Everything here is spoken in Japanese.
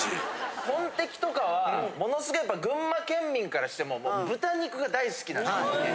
とんてきとかはものすごいやっぱ群馬県民からしてももう豚肉が大好きな群馬県民。